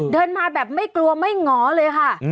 เดินมาแบบไม่กลัวไม่หงอเลยค่ะ